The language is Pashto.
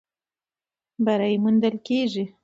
بری موندل کېږي.